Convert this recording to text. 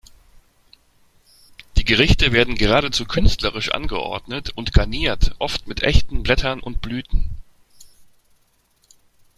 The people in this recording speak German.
Die Gerichte werden geradezu künstlerisch angeordnet und garniert, oft mit echten Blättern und Blüten.